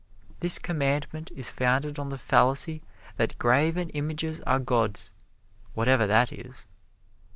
This commandment is founded on the fallacy that graven images are gods, whatever that is.